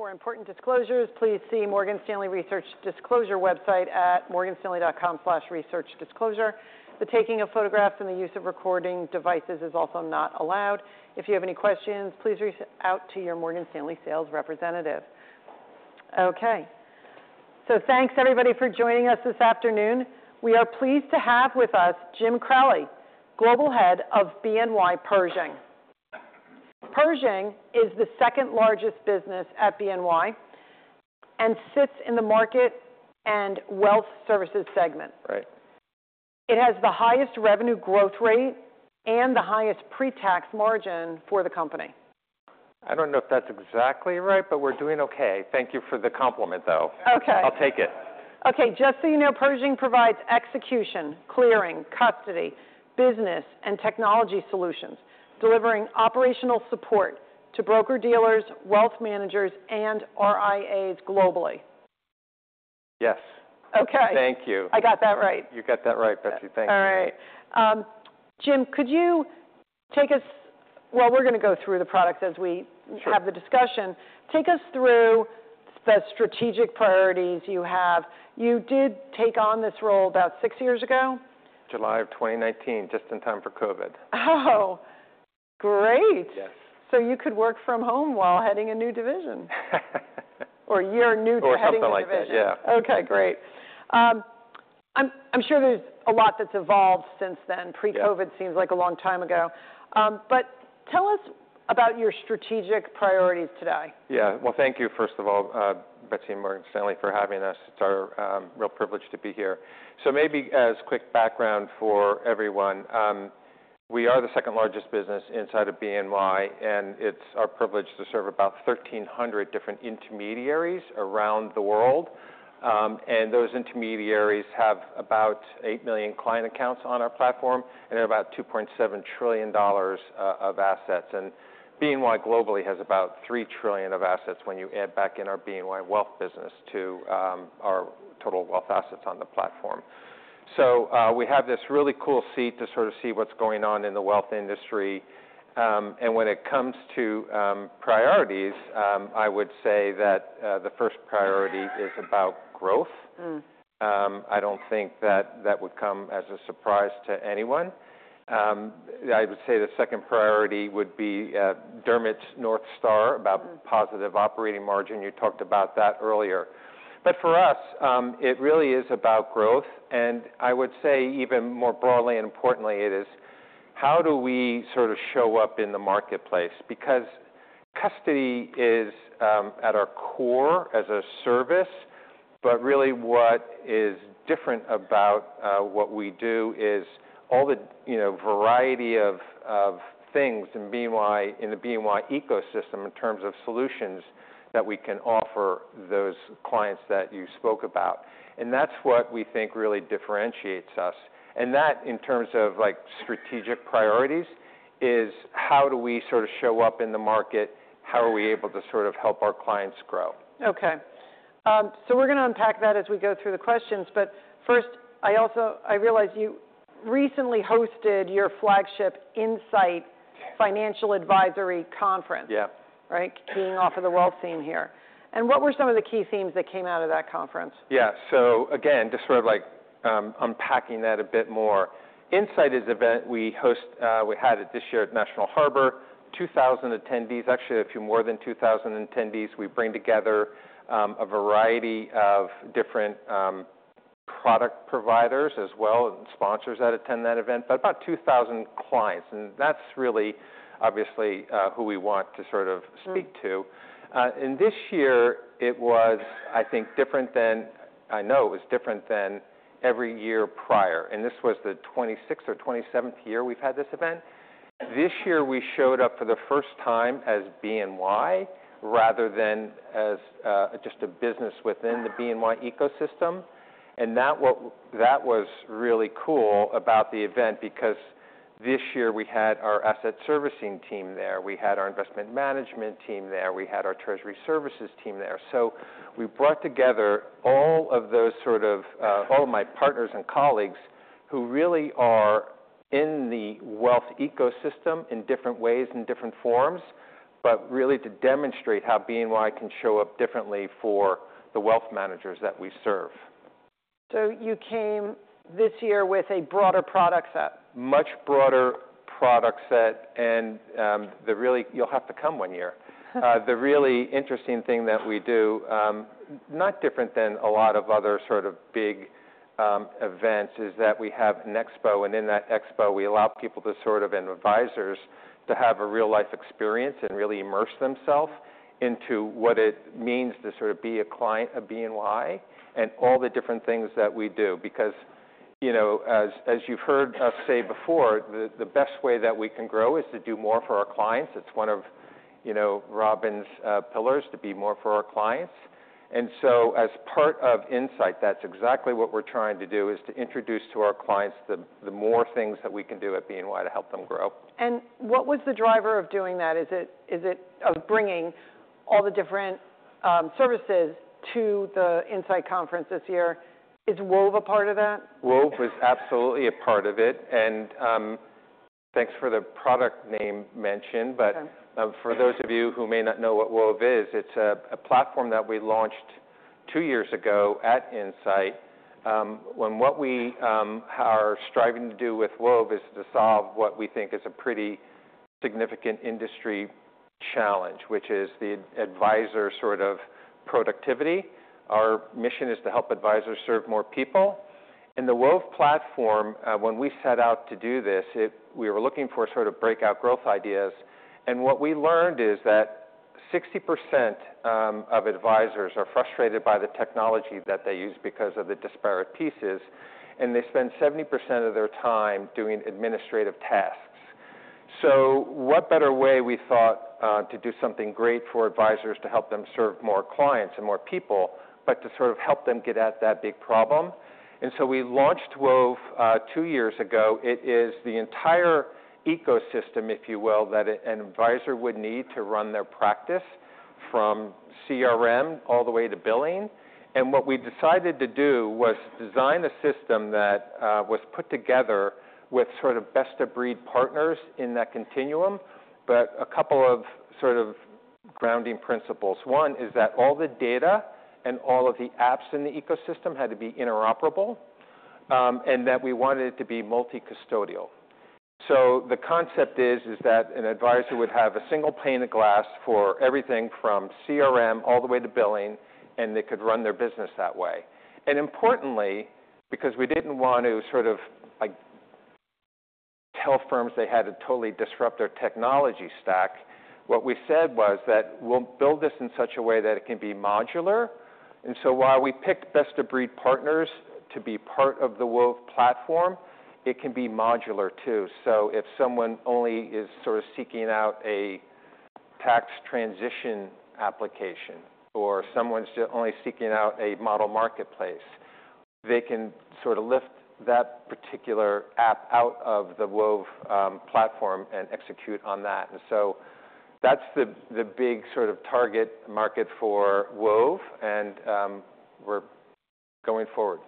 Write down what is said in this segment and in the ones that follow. For important disclosures, please see Morgan Stanley Research Disclosure website at morganstanley.com/researchdisclosure. The taking of photographs and the use of recording devices is also not allowed. If you have any questions, please reach out to your Morgan Stanley sales representative. Okay. Thanks, everybody, for joining us this afternoon. We are pleased to have with us Jim Crowley, Global Head of BNY Pershing. Pershing is the second largest business at BNY and sits in the market and wealth services segment. Right. It has the highest revenue growth rate and the highest pre-tax margin for the company. I don't know if that's exactly right, but we're doing okay. Thank you for the compliment, though. Okay. I'll take it. Okay. Just so you know, Pershing provides execution, clearing, custody, business, and technology solutions, delivering operational support to broker-dealers, wealth managers, and RIA globally. Yes. Okay. Thank you. I got that right. You got that right, Betsy. Thank you. All right. Jim, could you take us—well, we are going to go through the products as we have the discussion. Take us through the strategic priorities you have. You did take on this role about six years ago? July of 2019, just in time for COVID. Oh, great. Yes. You could work from home while heading a new division or you're new to heading a division. Or something like that. Yeah. Okay. Great. I'm sure there's a lot that's evolved since then. Pre-COVID seems like a long time ago. Tell us about your strategic priorities today. Yeah. Thank you, first of all, Betsy and Morgan Stanley, for having us. It's our real privilege to be here. Maybe as quick background for everyone, we are the second largest business inside of BNY, and it's our privilege to serve about 1,300 different intermediaries around the world. Those intermediaries have about 8 million client accounts on our platform and about $2.7 trillion of assets. BNY globally has about $3 trillion of assets when you add back in our BNY Wealth business to our total wealth assets on the platform. We have this really cool seat to sort of see what's going on in the wealth industry. When it comes to priorities, I would say that the first priority is about growth. I don't think that that would come as a surprise to anyone. I would say the second priority would be Dermot's North Star, about positive operating margin. You talked about that earlier. For us, it really is about growth. I would say even more broadly and importantly, it is how do we sort of show up in the marketplace? Custody is at our core as a service, but really what is different about what we do is all the variety of things in the BNY ecosystem in terms of solutions that we can offer those clients that you spoke about. That is what we think really differentiates us. That, in terms of strategic priorities, is how do we sort of show up in the market, how are we able to sort of help our clients grow. Okay. We're going to unpack that as we go through the questions. First, I realize you recently hosted your flagship Insight Financial Advisory Conference, right, keying off of the wealth scene here. What were some of the key themes that came out of that conference? Yeah. Again, just sort of unpacking that a bit more. Insight is an event we host. We had it this year at National Harbor, 2,000 attendees, actually a few more than 2,000 attendees. We bring together a variety of different product providers as well and sponsors that attend that event, but about 2,000 clients. That is really obviously who we want to sort of speak to. This year, it was, I think, different than—I know it was different than every year prior. This was the 26th or 27th year we have had this event. This year, we showed up for the first time as BNY rather than as just a business within the BNY ecosystem. That was really cool about the event because this year we had our asset servicing team there. We had our investment management team there. We had our treasury services team there. We brought together all of those sort of—all of my partners and colleagues who really are in the wealth ecosystem in different ways and different forms, but really to demonstrate how BNY can show up differently for the wealth managers that we serve. You came this year with a broader product set. Much broader product set. You'll have to come one year. The really interesting thing that we do, not different than a lot of other sort of big events, is that we have an expo. In that expo, we allow people to sort of—and advisors—to have a real-life experience and really immerse themselves into what it means to sort of be a client of BNY and all the different things that we do. Because as you've heard us say before, the best way that we can grow is to do more for our clients. It's one of Robin's pillars to be more for our clients. As part of Insight, that's exactly what we're trying to do, to introduce to our clients the more things that we can do at BNY to help them grow. What was the driver of doing that? Is it bringing all the different services to the Insight Conference this year? Is Wove a part of that? Wove was absolutely a part of it. Thanks for the product name mention. For those of you who may not know what Wove is, it is a platform that we launched two years ago at Insight. What we are striving to do with Wove is to solve what we think is a pretty significant industry challenge, which is the advisor sort of productivity. Our mission is to help advisors serve more people. The Wove platform, when we set out to do this, we were looking for sort of breakout growth ideas. What we learned is that 60% of advisors are frustrated by the technology that they use because of the disparate pieces, and they spend 70% of their time doing administrative tasks. What better way, we thought, to do something great for advisors to help them serve more clients and more people, but to sort of help them get at that big problem? We launched Wove two years ago. It is the entire ecosystem, if you will, that an advisor would need to run their practice from CRM all the way to billing. What we decided to do was design a system that was put together with sort of best-of-breed partners in that continuum, but a couple of sort of grounding principles. One is that all the data and all of the apps in the ecosystem had to be interoperable and that we wanted it to be multi-custodial. The concept is that an advisor would have a single pane of glass for everything from CRM all the way to billing, and they could run their business that way. Importantly, because we did not want to sort of tell firms they had to totally disrupt their technology stack, what we said was that we will build this in such a way that it can be modular. While we picked best-of-breed partners to be part of the Wove platform, it can be modular too. If someone only is sort of seeking out a tax transition application or someone is only seeking out a model marketplace, they can sort of lift that particular app out of the Wove platform and execute on that. That is the big sort of target market for Wove, and we are going forward.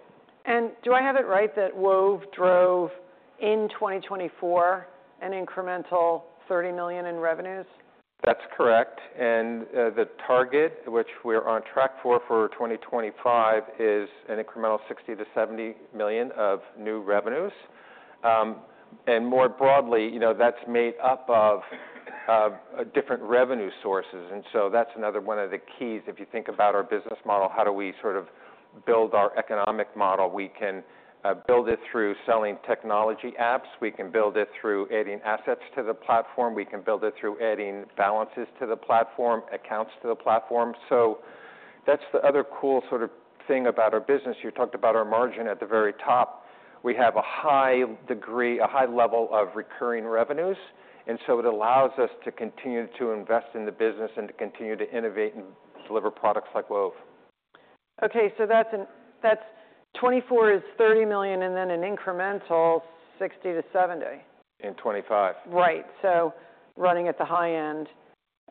Do I have it right that Wove drove in 2024 an incremental $30 million in revenues? That's correct. The target, which we're on track for for 2025, is an incremental $60 million-$70 million of new revenues. More broadly, that's made up of different revenue sources. That's another one of the keys. If you think about our business model, how do we sort of build our economic model? We can build it through selling technology apps. We can build it through adding assets to the platform. We can build it through adding balances to the platform, accounts to the platform. That's the other cool sort of thing about our business. You talked about our margin at the very top. We have a high degree, a high level of recurring revenues. It allows us to continue to invest in the business and to continue to innovate and deliver products like Wove. Okay. So that's 2024 is $30 million and then an incremental $60 million-$70 million. And 2025. Right. Running at the high end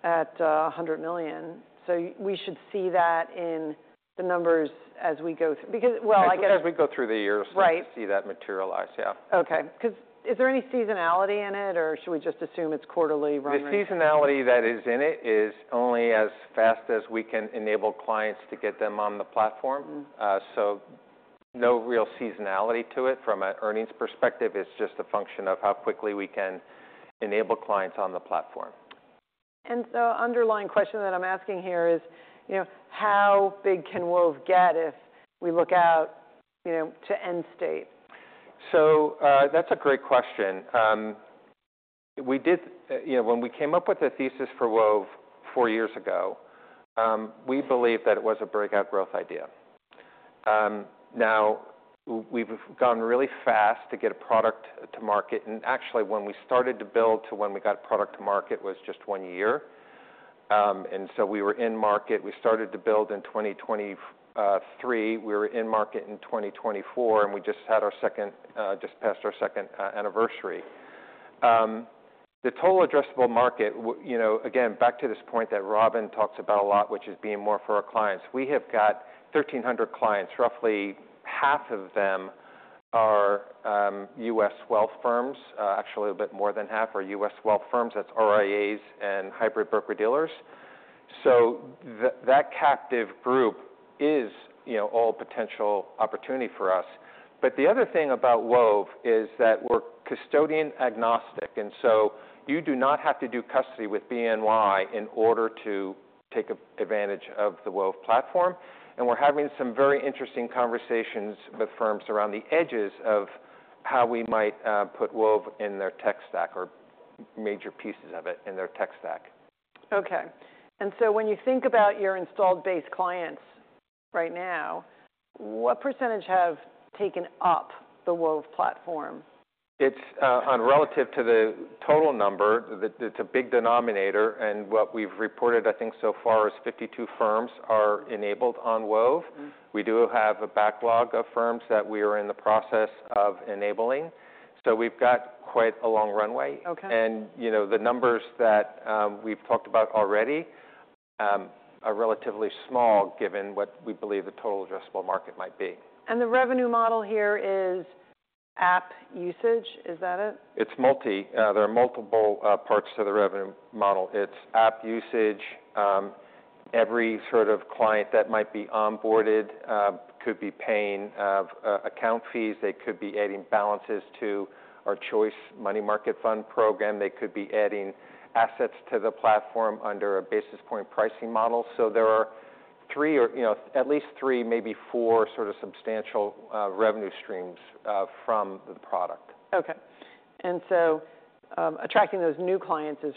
at $100 million. We should see that in the numbers as we go through. Because, well, I guess. I think as we go through the years, we'll see that materialize. Yeah. Okay. Because is there any seasonality in it, or should we just assume it's quarterly running? The seasonality that is in it is only as fast as we can enable clients to get them on the platform. So no real seasonality to it. From an earnings perspective, it's just a function of how quickly we can enable clients on the platform. The underlying question that I'm asking here is, how big can Wove get if we look out to end state? That's a great question. When we came up with the thesis for Wove four years ago, we believed that it was a breakout growth idea. Now, we've gone really fast to get a product to market. Actually, when we started to build to when we got product to market was just one year. We were in market. We started to build in 2023. We were in market in 2024, and we just had our second, just passed our second anniversary. The total addressable market, again, back to this point that Robin talks about a lot, which is being more for our clients. We have got 1,300 clients. Roughly half of them are U.S. wealth firms, actually a bit more than half are U.S. wealth firms. That's RIAs and hybrid broker-dealers. That captive group is all potential opportunity for us. The other thing about Wove is that we're custodian agnostic. You do not have to do custody with BNY in order to take advantage of the Wove platform. We're having some very interesting conversations with firms around the edges of how we might put Wove in their tech stack or major pieces of it in their tech stack. Okay. When you think about your installed base clients right now, what percentage have taken up the Wove platform? It's relative to the total number. It's a big denominator. What we've reported, I think so far, is 52 firms are enabled on Wove. We do have a backlog of firms that we are in the process of enabling. We've got quite a long runway. The numbers that we've talked about already are relatively small given what we believe the total addressable market might be. The revenue model here is app usage. Is that it? It's multi. There are multiple parts to the revenue model. It's app usage. Every sort of client that might be onboarded could be paying account fees. They could be adding balances to our choice money market fund program. They could be adding assets to the platform under a basis point pricing model. There are three, at least three, maybe four sort of substantial revenue streams from the product. Okay. Attracting those new clients is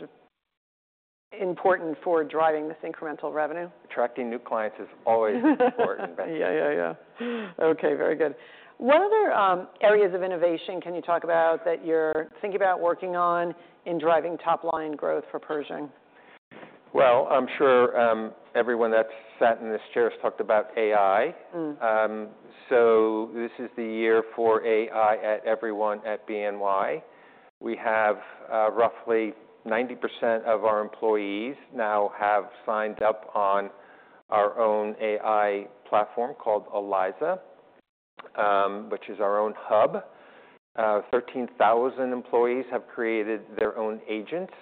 important for driving this incremental revenue? Attracting new clients is always important. Yeah, yeah. Okay. Very good. What other areas of innovation can you talk about that you're thinking about working on in driving top-line growth for Pershing? I'm sure everyone that's sat in this chair has talked about AI. This is the year for AI at everyone at BNY. We have roughly 90% of our employees now have signed up on our own AI platform called Eliza, which is our own hub. 13,000 employees have created their own agents.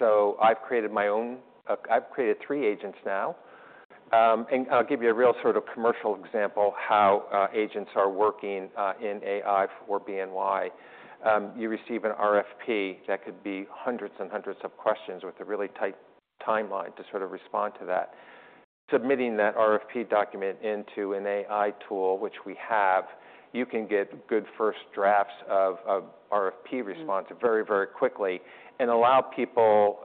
I've created my own; I've created three agents now. I'll give you a real sort of commercial example of how agents are working in AI for BNY. You receive an RFP that could be hundreds and hundreds of questions with a really tight timeline to sort of respond to that. Submitting that RFP document into an AI tool, which we have, you can get good first drafts of RFP responses very, very quickly and allow people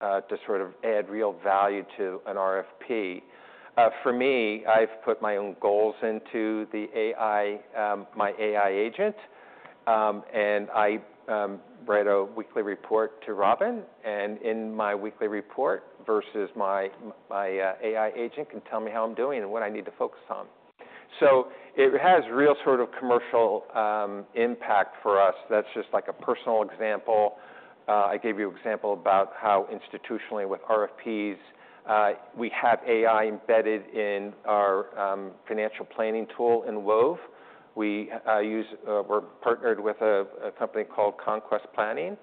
to sort of add real value to an RFP. For me, I've put my own goals into my AI agent, and I write a weekly report to Robin. In my weekly report, versus my AI agent can tell me how I'm doing and what I need to focus on. It has real sort of commercial impact for us. That's just like a personal example. I gave you an example about how institutionally with RFPs, we have AI embedded in our financial planning tool in Wove. We're partnered with a company called Conquest Planning.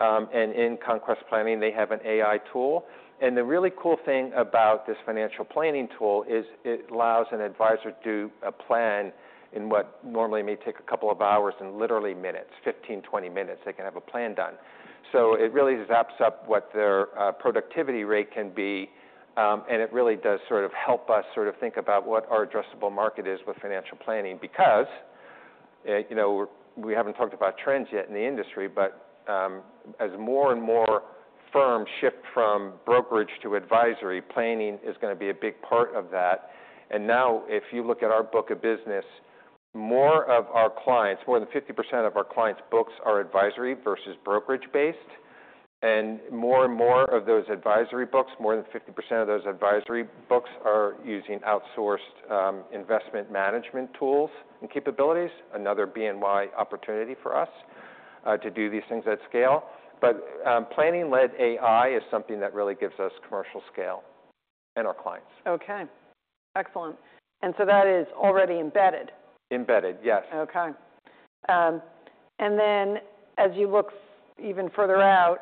In Conquest Planning, they have an AI tool. The really cool thing about this financial planning tool is it allows an advisor to do a plan in what normally may take a couple of hours and literally minutes, 15-20 minutes, they can have a plan done. It really zaps up what their productivity rate can be. It really does sort of help us sort of think about what our addressable market is with financial planning because we have not talked about trends yet in the industry, but as more and more firms shift from brokerage to advisory, planning is going to be a big part of that. Now, if you look at our book of business, more of our clients, more than 50% of our clients' books are advisory versus brokerage-based. More and more of those advisory books, more than 50% of those advisory books are using outsourced investment management tools and capabilities, another BNY opportunity for us to do these things at scale. Planning-led AI is something that really gives us commercial scale and our clients. Okay. Excellent. That is already embedded. Embedded, yes. Okay. As you look even further out,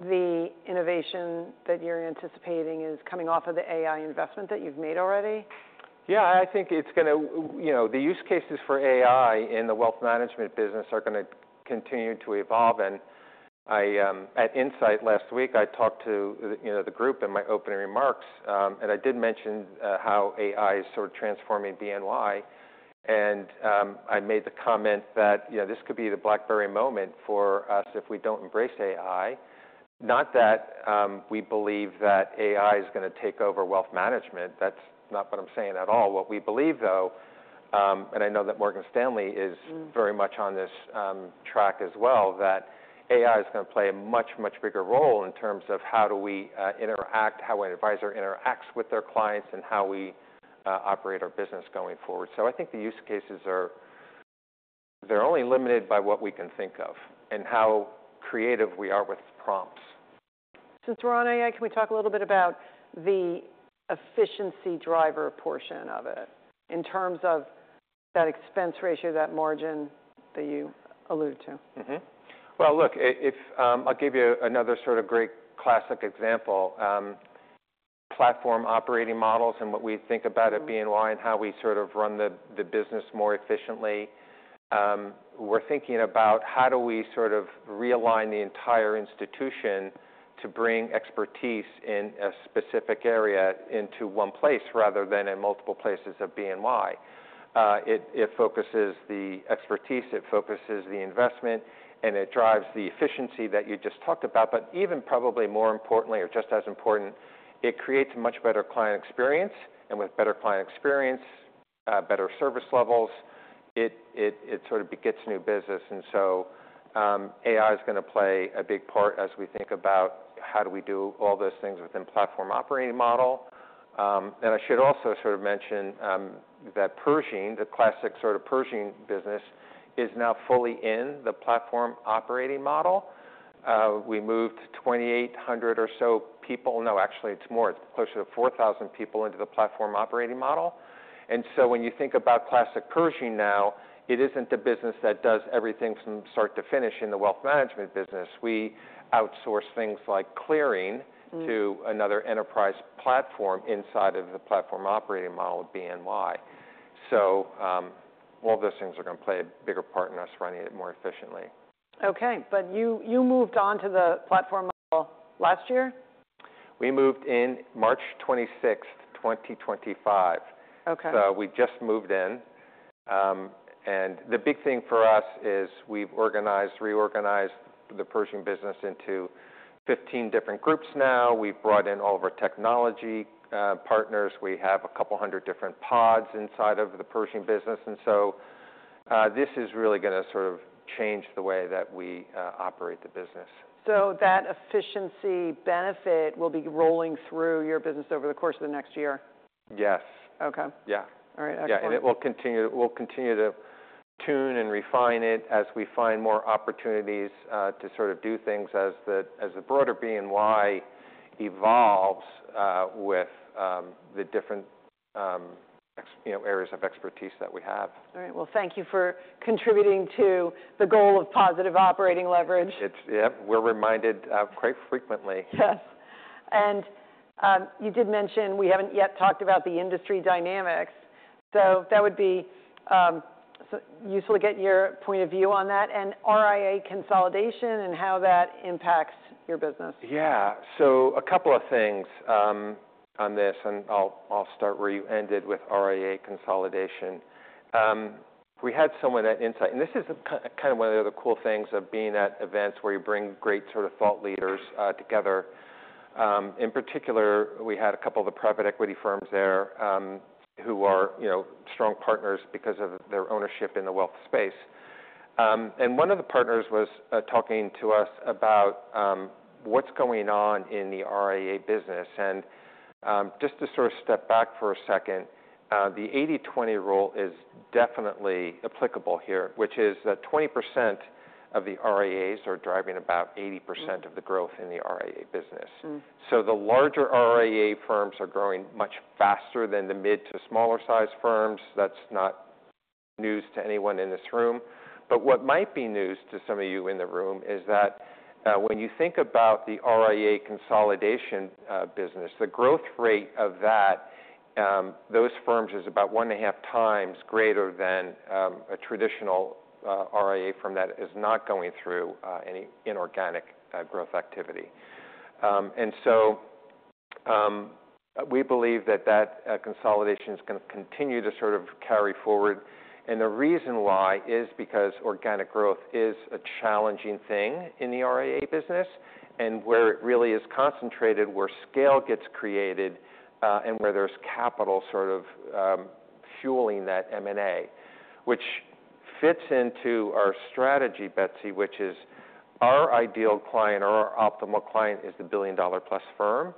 the innovation that you're anticipating is coming off of the AI investment that you've made already? Yeah, I think it's going to, the use cases for AI in the wealth management business are going to continue to evolve. At Insight last week, I talked to the group in my opening remarks, and I did mention how AI is sort of transforming BNY. I made the comment that this could be the BlackBerry moment for us if we don't embrace AI. Not that we believe that AI is going to take over wealth management. That's not what I'm saying at all. What we believe, though, and I know that Morgan Stanley is very much on this track as well, that AI is going to play a much, much bigger role in terms of how do we interact, how an advisor interacts with their clients, and how we operate our business going forward. I think the use cases are only limited by what we can think of and how creative we are with prompts. Since we're on AI, can we talk a little bit about the efficiency driver portion of it in terms of that expense ratio, that margin that you alluded to? I will give you another sort of great classic example. Platform operating models and what we think about at BNY and how we sort of run the business more efficiently. We are thinking about how do we sort of realign the entire institution to bring expertise in a specific area into one place rather than in multiple places of BNY. It focuses the expertise, it focuses the investment, and it drives the efficiency that you just talked about. Probably more importantly, or just as important, it creates a much better client experience. With better client experience, better service levels, it sort of begets new business. AI is going to play a big part as we think about how do we do all those things within platform operating model. I should also sort of mention that Pershing, the classic sort of Pershing business, is now fully in the platform operating model. We moved 2,800 or so people. No, actually, it's more. It's closer to 4,000 people into the platform operating model. When you think about classic Pershing now, it isn't the business that does everything from start to finish in the wealth management business. We outsource things like clearing to another enterprise platform inside of the platform operating model of BNY. All those things are going to play a bigger part in us running it more efficiently. Okay. You moved on to the platform model last year? We moved in March 26, 2025. We just moved in. The big thing for us is we've organized, reorganized the Pershing business into 15 different groups now. We've brought in all of our technology partners. We have a couple hundred different pods inside of the Pershing business. This is really going to sort of change the way that we operate the business. That efficiency benefit will be rolling through your business over the course of the next year? Yes. Okay. All right. Yeah. We will continue to tune and refine it as we find more opportunities to sort of do things as the broader BNY evolves with the different areas of expertise that we have. All right. Thank you for contributing to the goal of positive operating leverage. Yep. We're reminded quite frequently. Yes. You did mention we have not yet talked about the industry dynamics. That would be useful to get your point of view on that and RIA consolidation and how that impacts your business. Yeah. A couple of things on this, and I'll start where you ended with RIA consolidation. We had someone at Insight, and this is kind of one of the other cool things of being at events where you bring great sort of thought leaders together. In particular, we had a couple of the private equity firms there who are strong partners because of their ownership in the wealth space. One of the partners was talking to us about what's going on in the RIA business. Just to sort of step back for a second, the 80/20 rule is definitely applicable here, which is that 20% of the RIAs are driving about 80% of the growth in the RIA business. The larger RIA firms are growing much faster than the mid to smaller size firms. That's not news to anyone in this room. What might be news to some of you in the room is that when you think about the RIA consolidation business, the growth rate of those firms is about one and a half times greater than a traditional RIA firm that is not going through any inorganic growth activity. We believe that that consolidation is going to continue to sort of carry forward. The reason why is because organic growth is a challenging thing in the RIA business and where it really is concentrated, where scale gets created, and where there is capital sort of fueling that M&A, which fits into our strategy, Betsy, which is our ideal client or our optimal client is the billion-dollar-plus firm.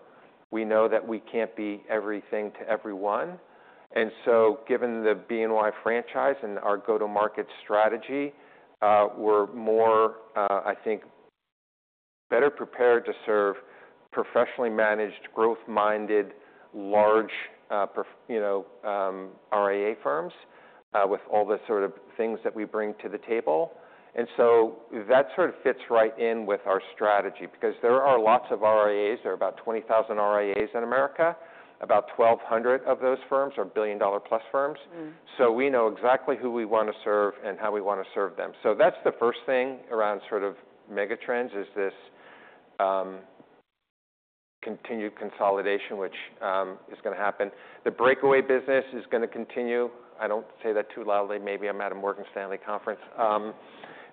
We know that we cannot be everything to everyone. Given the BNY franchise and our go-to-market strategy, we're more, I think, better prepared to serve professionally managed, growth-minded, large RIA firms with all the sort of things that we bring to the table. That sort of fits right in with our strategy because there are lots of RIAs. There are about 20,000 RIAs in America. About 1,200 of those firms are billion-dollar-plus firms. We know exactly who we want to serve and how we want to serve them. The first thing around sort of mega trends is this continued consolidation, which is going to happen. The breakaway business is going to continue. I do not say that too loudly. Maybe I am at a Morgan Stanley conference.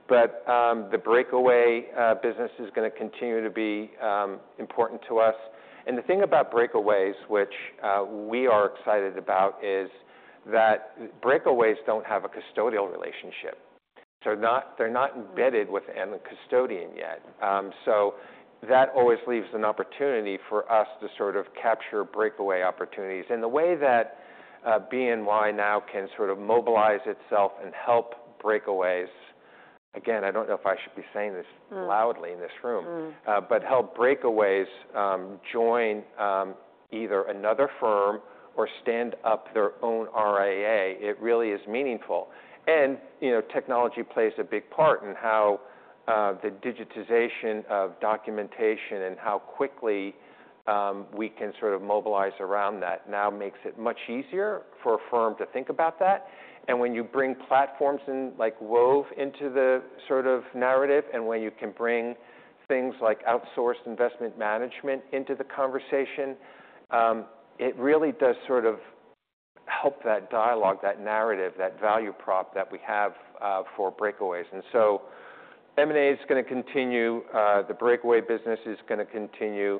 The breakaway business is going to continue to be important to us. The thing about breakaways, which we are excited about, is that breakaways do not have a custodial relationship. They are not embedded within a custodian yet. That always leaves an opportunity for us to sort of capture breakaway opportunities. The way that BNY now can sort of mobilize itself and help breakaways, again, I do not know if I should be saying this loudly in this room, but help breakaways join either another firm or stand up their own RIA, it really is meaningful. Technology plays a big part in how the digitization of documentation and how quickly we can sort of mobilize around that now makes it much easier for a firm to think about that. When you bring platforms like Wove into the sort of narrative, and when you can bring things like outsourced investment management into the conversation, it really does sort of help that dialogue, that narrative, that value prop that we have for breakaways. M&A is going to continue. The breakaway business is going to continue.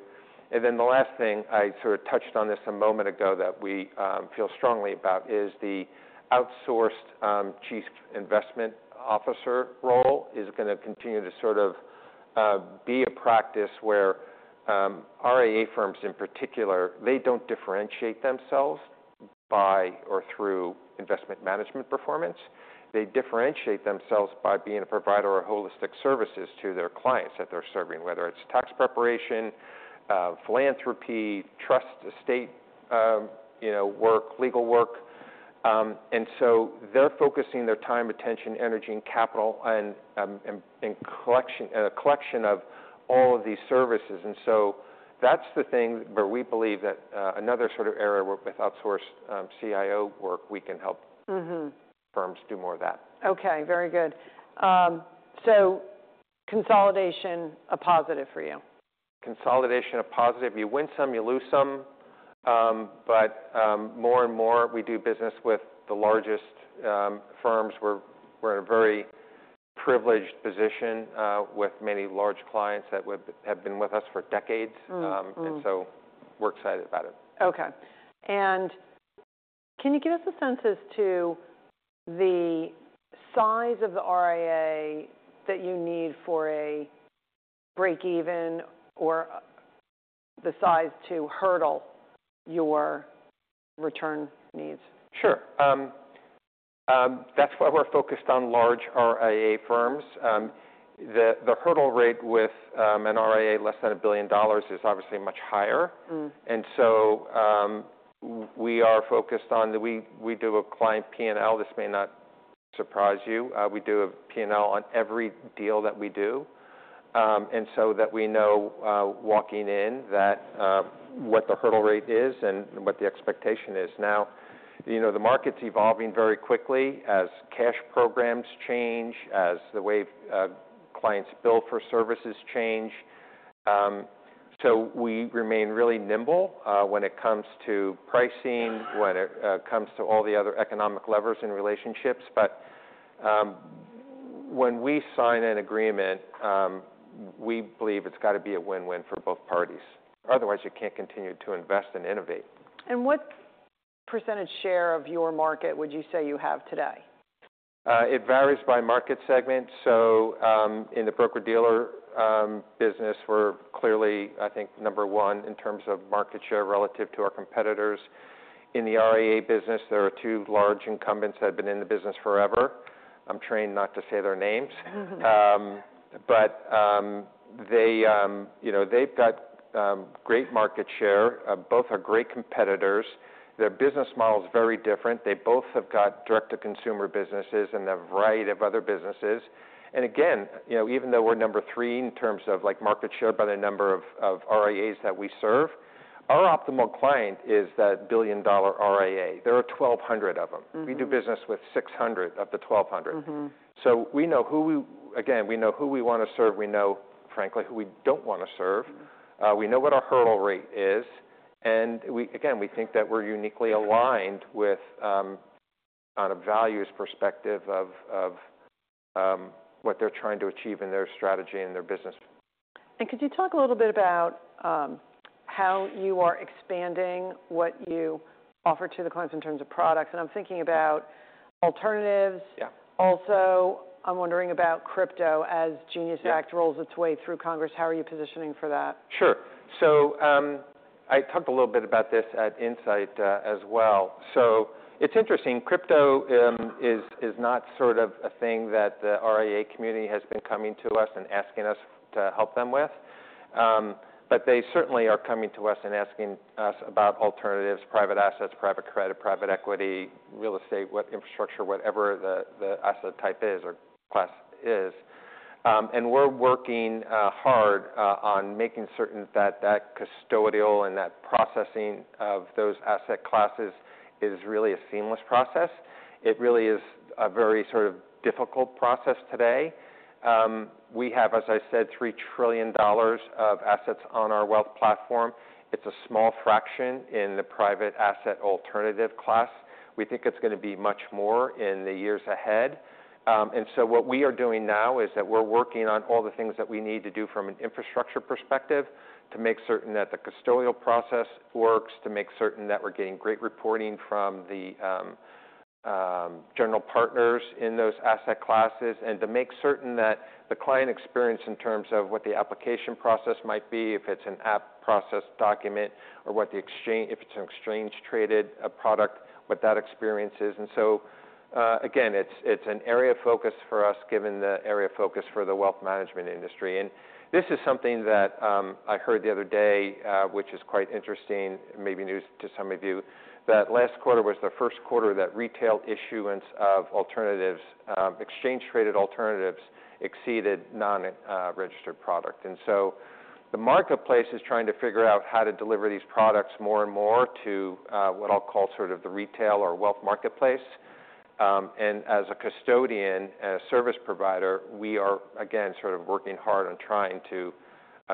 The last thing I sort of touched on this a moment ago that we feel strongly about is the outsourced chief investment officer role is going to continue to sort of be a practice where RIA firms in particular, they do not differentiate themselves by or through investment management performance. They differentiate themselves by being a provider of holistic services to their clients that they are serving, whether it is tax preparation, philanthropy, trust estate work, legal work. They are focusing their time, attention, energy, and capital in a collection of all of these services. That is the thing where we believe that another sort of area with outsourced CIO work, we can help firms do more of that. Okay. Very good. So consolidation, a positive for you? Consolidation, a positive. You win some, you lose some. More and more, we do business with the largest firms. We're in a very privileged position with many large clients that have been with us for decades. We're excited about it. Okay. Can you give us a sense as to the size of the RIA that you need for a break-even or the size to hurdle your return needs? Sure. That's why we're focused on large RIA firms. The hurdle rate with an RIA less than $1 billion is obviously much higher. We are focused on we do a client P&L. This may not surprise you. We do a P&L on every deal that we do, so that we know walking in what the hurdle rate is and what the expectation is. Now, the market's evolving very quickly as cash programs change, as the way clients bill for services change. We remain really nimble when it comes to pricing, when it comes to all the other economic levers and relationships. When we sign an agreement, we believe it's got to be a win-win for both parties. Otherwise, you can't continue to invest and innovate. What percentage share of your market would you say you have today? It varies by market segment. In the broker-dealer business, we're clearly, I think, number one in terms of market share relative to our competitors. In the RIA business, there are two large incumbents that have been in the business forever. I'm trained not to say their names. They have great market share. Both are great competitors. Their business model is very different. They both have direct-to-consumer businesses and a variety of other businesses. Even though we're number three in terms of market share by the number of RIAs that we serve, our optimal client is that billion-dollar RIA. There are 1,200 of them. We do business with 600 of the 1,200. We know who we want to serve. We know, frankly, who we don't want to serve. We know what our hurdle rate is. We think that we're uniquely aligned on a values perspective of what they're trying to achieve in their strategy and their business. Could you talk a little bit about how you are expanding what you offer to the clients in terms of products? I'm thinking about alternatives. Also, I'm wondering about crypto. As Genius Act rolls its way through Congress, how are you positioning for that? Sure. I talked a little bit about this at Insight as well. It is interesting. Crypto is not sort of a thing that the RIA community has been coming to us and asking us to help them with. They certainly are coming to us and asking us about alternatives, private assets, private credit, private equity, real estate, infrastructure, whatever the asset type or class is. We are working hard on making certain that custodial and processing of those asset classes is really a seamless process. It really is a very difficult process today. We have, as I said, $3 trillion of assets on our wealth platform. It is a small fraction in the private asset alternative class. We think it is going to be much more in the years ahead. What we are doing now is that we're working on all the things that we need to do from an infrastructure perspective to make certain that the custodial process works, to make certain that we're getting great reporting from the general partners in those asset classes, and to make certain that the client experience in terms of what the application process might be, if it's an app process document, or if it's an exchange-traded product, what that experience is. Again, it's an area of focus for us given the area of focus for the wealth management industry. This is something that I heard the other day, which is quite interesting, maybe news to some of you, that last quarter was the first quarter that retail issuance of alternatives, exchange-traded alternatives, exceeded non-registered product. The marketplace is trying to figure out how to deliver these products more and more to what I'll call sort of the retail or wealth marketplace. As a custodian and a service provider, we are, again, sort of working hard on trying to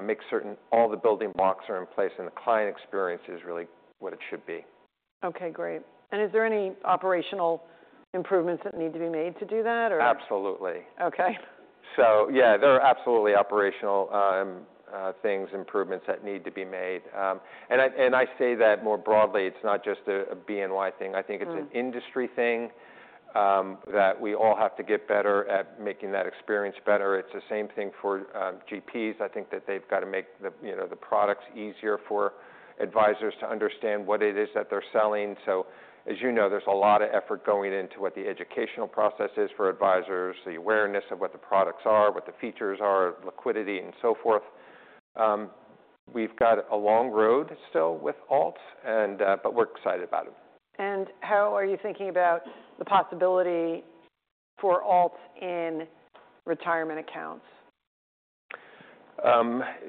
make certain all the building blocks are in place and the client experience is really what it should be. Okay. Great. Is there any operational improvements that need to be made to do that, or? Absolutely. Okay. Yeah, there are absolutely operational things, improvements that need to be made. I say that more broadly. It's not just a BNY thing. I think it's an industry thing that we all have to get better at making that experience better. It's the same thing for GPs. I think that they've got to make the products easier for advisors to understand what it is that they're selling. As you know, there's a lot of effort going into what the educational process is for advisors, the awareness of what the products are, what the features are, liquidity, and so forth. We've got a long road still with Alts, but we're excited about it. How are you thinking about the possibility for Alts in retirement accounts?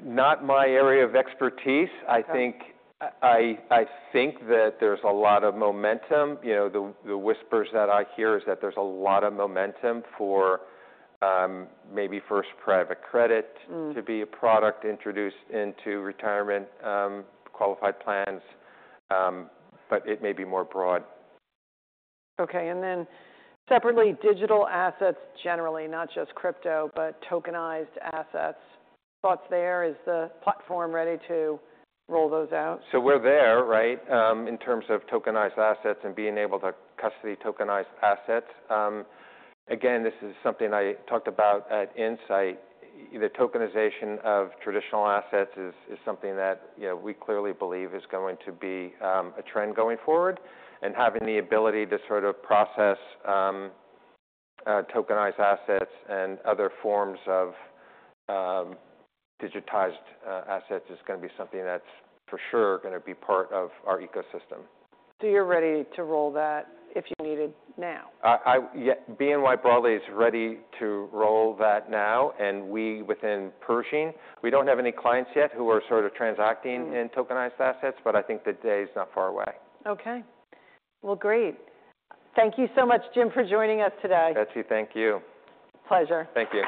Not my area of expertise. I think that there's a lot of momentum. The whispers that I hear is that there's a lot of momentum for maybe first private credit to be a product introduced into retirement qualified plans, but it may be more broad. Okay. And then separately, digital assets generally, not just crypto, but tokenized assets. Thoughts there? Is the platform ready to roll those out? We're there, right, in terms of tokenized assets and being able to custody tokenized assets. Again, this is something I talked about at Insight. The tokenization of traditional assets is something that we clearly believe is going to be a trend going forward. Having the ability to sort of process tokenized assets and other forms of digitized assets is going to be something that's for sure going to be part of our ecosystem. You're ready to roll that if you need it now? BNY probably is ready to roll that now. We within Pershing, we do not have any clients yet who are sort of transacting in tokenized assets, but I think the day is not far away. Okay. Great. Thank you so much, Jim, for joining us today. Betsy, thank you. Pleasure. Thank you.